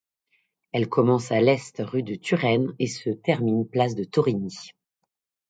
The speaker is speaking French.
Elle commence à l’est rue de Turenne et se termine place de Thorigny.